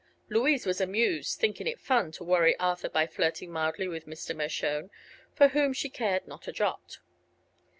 Louise was amused, thinking it fun to worry Arthur by flirting mildly with Mr. Mershone, for whom she cared not a jot.